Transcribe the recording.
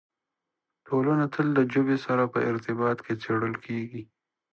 ټولنه تل د ژبې سره په ارتباط کې څېړل کېږي.